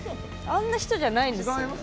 あんな人じゃないんです。